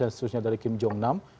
seterusnya dari kim jong nam